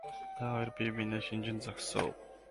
Тэр хоёр бие биенээ шинжин зогсов.